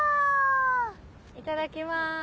いただきます